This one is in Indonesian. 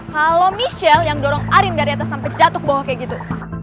kalo michelle yang dorong arin dari atas sampe jatuh kebohong kayak gitu